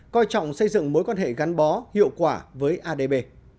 coi trọng xây dựng mối quan hệ gắn bó hiệu quả với adb